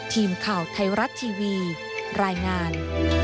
ทีมข่าวไทยรัฐทีวีรายงาน